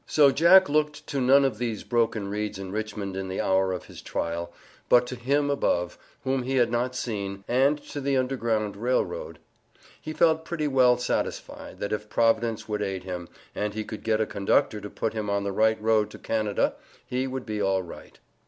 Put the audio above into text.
So Jack looked to none of these "broken reeds" in Richmond in the hour of his trial, but to Him above, whom he had not seen, and to the Underground Rail Road. He felt pretty well satisfied, that if Providence would aid him, and he could get a conductor to put him on the right road to Canada, he would be all right.